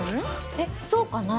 えっそうかな？